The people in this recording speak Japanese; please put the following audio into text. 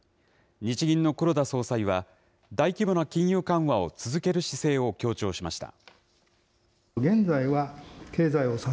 日銀の黒田総裁は、大規模な金融緩和を続ける姿勢を強調しました。